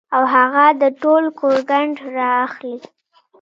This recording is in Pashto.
او هغه د ټول کور ګند را اخلي